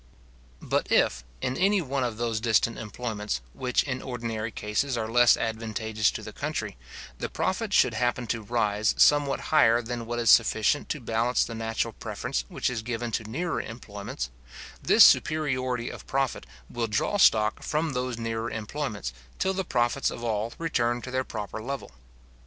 But if, in any one of those distant employments, which in ordinary cases are less advantageous to the country, the profit should happen to rise somewhat higher than what is sufficient to balance the natural preference which is given to nearer employments, this superiority of profit will draw stock from those nearer employments, till the profits of all return to their proper level.